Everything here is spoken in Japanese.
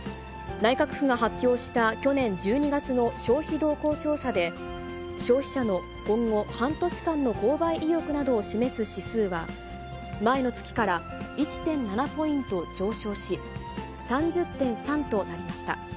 内閣府が発表した去年１２月の消費動向調査で、消費者の今後半年間の購買意欲などを示す指数は、前の月から１．７ポイント上昇し、３０．３となりました。